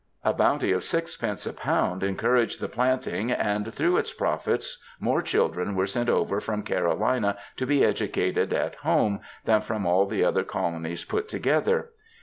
*" A bounty of 6d. a lb. encouraged the planting, and through its profits more children were sent over from Carolina to be educated at home, than from all the other colonies put together.